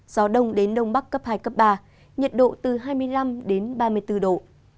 gió đông đến đông bắc cấp hai cấp ba nhiệt độ từ hai mươi năm đến ba mươi bốn độ